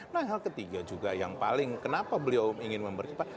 nah hal ketiga juga yang paling kenapa beliau ingin mempercepat